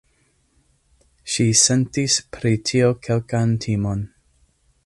Ŝi sentis pri tio kelkan timon.